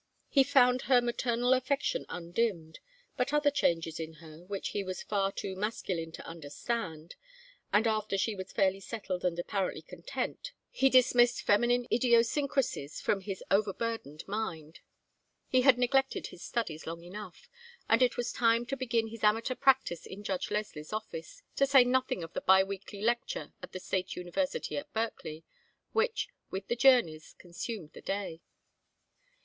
He found her maternal affection undimmed, but other changes in her which he was far too masculine to understand, and after she was fairly settled and apparently content, he dismissed feminine idiosyncrasies from his overburdened mind. He had neglected his studies long enough, and it was time to begin his amateur practice in Judge Leslie's office, to say nothing of the bi weekly lecture at the State University at Berkeley, which, with the journeys, consumed the day.